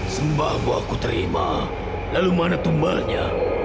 sembah buahku terima lalu mana tumbanya